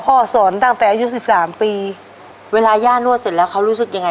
สอนตั้งแต่อายุสิบสามปีเวลาย่านวดเสร็จแล้วเขารู้สึกยังไง